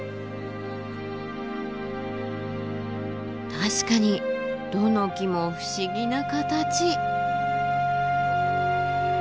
確かにどの木も不思議な形。